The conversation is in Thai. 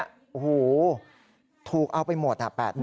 โอ้โหถูกเอาไปหมด๘๐๐๐